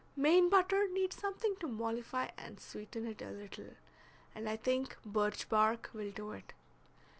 Maine butter needs something to mollify and sweeten it a little, and I think birch bark will do it.